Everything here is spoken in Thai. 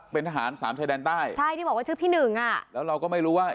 เป็นทหารสามชายแดนใต้ใช่ที่บอกว่าชื่อพี่หนึ่งอ่ะแล้วเราก็ไม่รู้ว่า